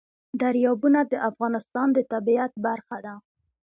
دریابونه د افغانستان د طبیعت برخه ده.